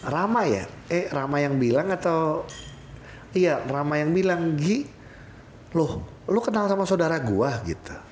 rama ya eh rama yang bilang atau iya rama yang bilang gi loh lo kenal sama saudara gue gitu